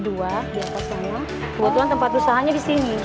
buat tuhan tempat usahanya di sini